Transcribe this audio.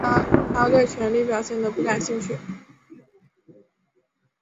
他对权力表现得不感兴趣。